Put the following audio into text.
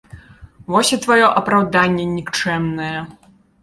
Вось і тваё апраўданне нікчэмнае.